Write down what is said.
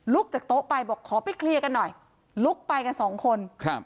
ลุกจากโต๊ะไปบอกขอไปเคลียร์กันหน่อยลุกไปกัน๒คน